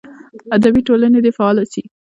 ادبي ټولنې دې فعاله سي.